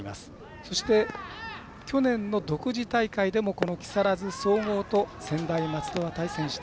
そして去年の独自大会でもこの木更津総合と専大松戸は対戦して。